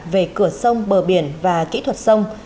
về cửa sông bờ biển và kỹ thuật sông